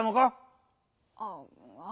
ああ。